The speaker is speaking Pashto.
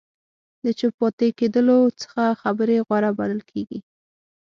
د چوپ پاتې کېدلو څخه خبرې غوره بلل کېږي.